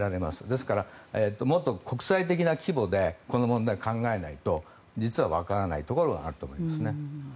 ですから、もっと国際的な規模でこの問題を考えないと実はわからないところがあると思います。